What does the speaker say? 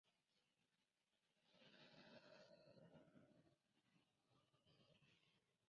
The Melody Room went out of business in the same year.